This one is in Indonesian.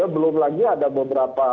belum lagi ada beberapa